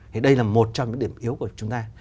thì đây là một trong những điểm yếu của chúng ta